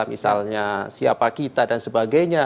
misalnya siapa kita dan sebagainya